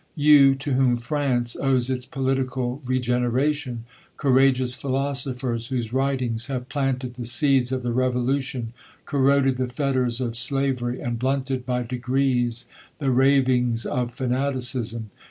You, to whom France owes its political regeneration ; courageous philosophers, whose writings have planted the seeds of the revolution, corroded the fetters of sla very, and blunted by degrees the ravings of fanaticism.